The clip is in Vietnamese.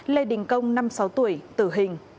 lê đình công năm sáu tuổi tử hình